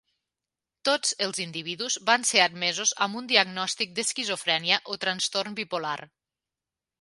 Tots els individus van ser admesos amb un diagnòstic d'esquizofrènia o trastorn bipolar.